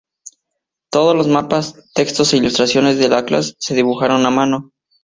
Todos los mapas, textos e ilustraciones del atlas se dibujaron a mano.